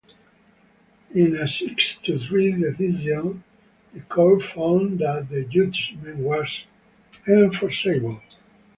In a six to three decision, the Court found that the judgment was enforceable.